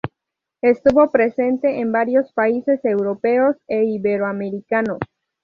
Estuvo presente en varios países europeos e iberoamericanos.